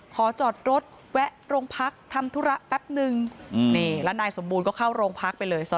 ขอจอดรถแวะโรงพักทำธุระแป๊บนึงนี่แล้วนายสมบูรณ์ก็เข้าโรงพักไปเลย